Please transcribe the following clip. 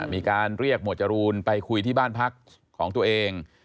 มีการเรียกหมวดจรูนไปคุยที่บ้านพักของตัวเอง